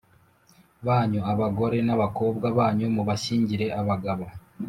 Banyu abagore n abakobwa banyu mubashyingire abagabo